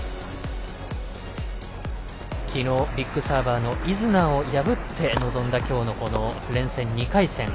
きのう、ビッグサーバーのイズナーを破って臨んだきょうの連戦、２回戦。